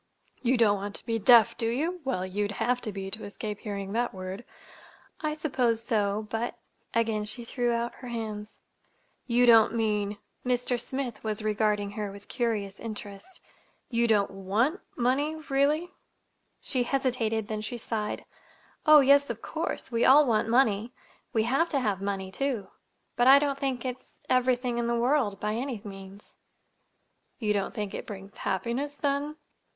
"You don't want to be deaf, do you? Well, you'd have to be, to escape hearing that word." "I suppose so. But—" again she threw out her hands. "You don't mean—" Mr. Smith was regarding her with curious interest. "Don't you want—money, really?" She hesitated; then she sighed. "Oh, yes, of course. We all want money. We have to have money, too; but I don't think it's—everything in the world, by any means." "You don't think it brings happiness, then?"